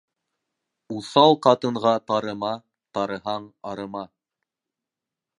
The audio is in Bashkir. Уҫал ҡатынға тарыма, тарыһаң арыма.